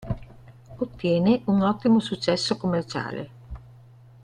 Ottiene un ottimo successo commerciale.